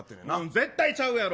絶対ちゃうやろ。